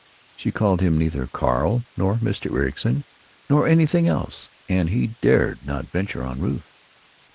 She called him neither "Carl" nor "Mr. Ericson" nor anything else, and he dared not venture on Ruth.